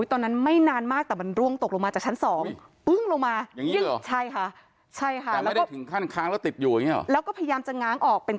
ตอนนั้นไม่นานมากแต่มันร่วงตกลงมาจากชั้นสอง